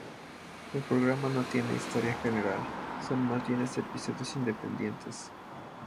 El programa no tiene historia general, son más bien episodios independientes.